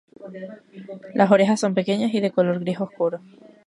Las orejas son pequeñas y de color gris oscuro.